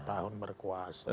sepuluh tahun berkuasa